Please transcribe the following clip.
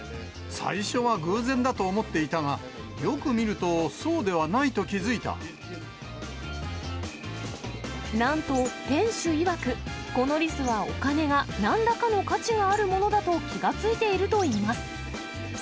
最初は偶然だと思っていたが、よく見ると、そうではないと気付なんと、店主いわく、このリスはお金がなんらかの価値があるものだと気がついているといいます。